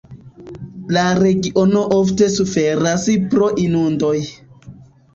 La regiono ofte suferas pro inundoj.